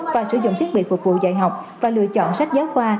và sử dụng thiết bị phục vụ dạy học và lựa chọn sách giáo khoa